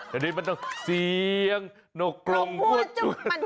เดี๋ยวนี่มันต้องเสียงนกกล่องพุทธ